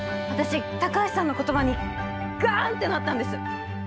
私高橋さんの言葉にガンってなったんです。